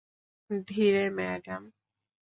ধীরে, ম্যাডাম।